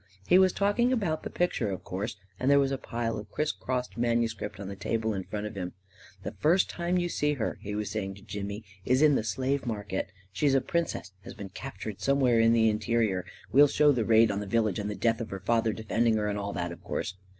He was talking about the picture, of course, and there was a pile of criss crossed manuscript on the table in front of him. " The first time you see her," he was saying to Jimmy, " is in the slave market. She's a princess — has been captured somewhere in the interior — we'll show the raid on the village, and the death of her father defending her, and all that, of course.